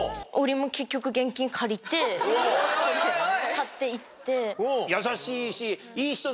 買っていって。